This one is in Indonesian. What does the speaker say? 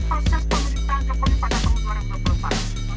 proses pemerintahan jokowi pada tahun dua ribu dua puluh empat